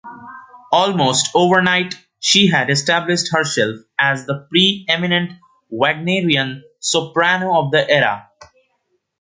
Almost overnight, she had established herself as the pre-eminent Wagnerian soprano of the era.